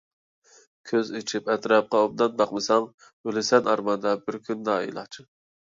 كۆز ئېچىپ ئەتراپقا ئوبدان باقمىساڭ، ئۆلىسەن ئارماندا بىر كۈن نائىلاج.